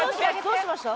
どうしました？